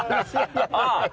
ああ！